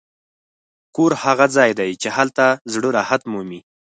کور هغه ځای دی چې هلته زړه راحت مومي.